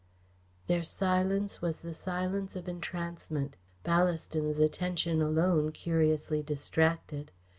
Their silence was the silence of entrancement; Ballaston's attention alone curiously distracted.